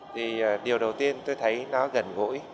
thì điều đầu tiên tôi thấy nó gần gũi